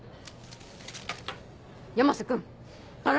山瀬君田